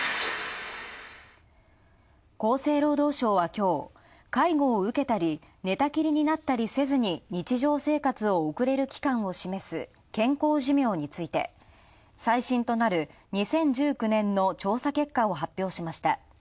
厚生労働省はきょう、介護を受けたり、寝たきりになったりせずに日常生活を送れる期間を示す健康寿命について、最新となる２０１９年の調査結果を発表しました。